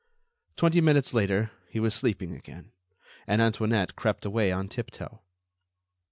Twenty minutes later, he was sleeping again, and Antoinette crept away on tiptoe.